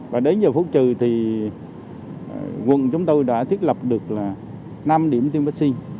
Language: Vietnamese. và đến giờ phút trừ thì quận chúng tôi đã thiết lập được năm điểm tiêm vaccine